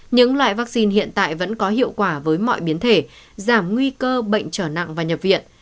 những loại vaccine hiện tại vẫn có hiệu quả với mọi biến thể giảm nguy cơ bệnh trở nặng và nhập viện